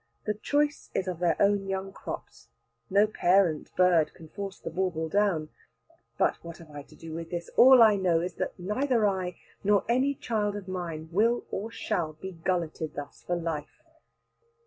The choice is of their own young crops. No parent bird can force the bauble down. But what have I to do with this? All I know is that neither I, nor any child of mine, will or shall be gulleted thus for life.